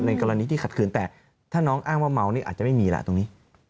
กรณีที่ขัดคืนแต่ถ้าน้องอ้างว่าเมานี่อาจจะไม่มีล่ะตรงนี้